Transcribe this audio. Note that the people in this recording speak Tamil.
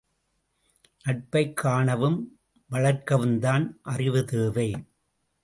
நட்பைக் காணவும் வளர்க்கவும்தான் அறிவு தேவை.